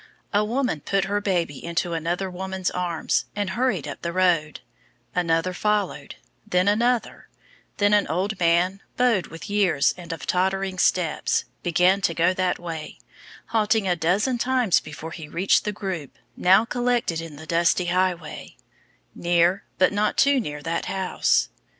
A woman put her baby into another woman's arms and hurried up the road; another followed, then another; then an old man, bowed with years and of tottering steps, began to go that way, halting a dozen times before he reached the group now collected in the dusty highway, near but not too near that house.